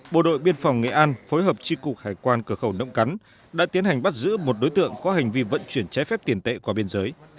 bộ đội biên phòng nghệ an phối hợp tri cục hải quan cửa khẩu nậm cắn đã tiến hành bắt giữ một đối tượng có hành vi vận chuyển trái phép tiền tệ qua biên giới